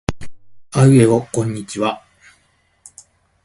あいうえおこんにちは。